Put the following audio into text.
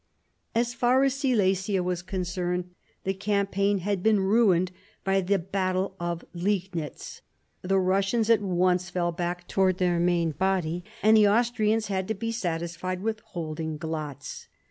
As far as Silesia was concerned, the campaign had 1760 63 THE SEVEN YEARS' WAR 169 been ruined by the battle of Liegnitz. The Kussians at once fell back towards their main body, and the Austrians had to be satisfied with holding Glatz.